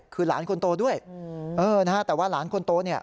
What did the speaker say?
คือหลานคนโตด้วยนะฮะแต่ว่าหลานคนโตเนี่ย